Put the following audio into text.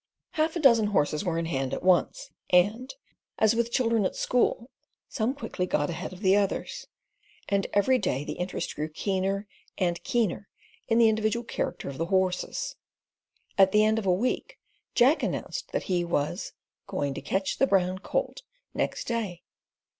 Half a dozen horses were in hand at once, and, as with children at school, some quickly got ahead of the others, and every day the interest grew keener and keener in the individual character of the horses. At the end of a week Jack announced that he was "going to catch the brown colt," next day.